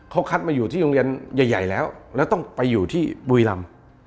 เขาคัดมาอยู่ที่โรงเรียนใหญ่แล้วแล้วต้องไปอยู่ที่บุรีรำ